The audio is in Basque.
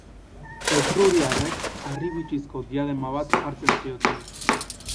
Etruriarrek, harribitxizko diadema bat jartzen zioten.